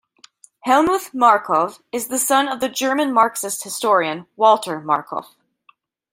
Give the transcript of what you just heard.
Helmuth Markov is the son of the German marxist historian Walter Markov.